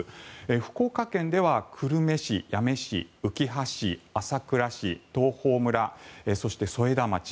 福岡県では久留米市、八女市うきは市朝倉市、東峰村そして添田町。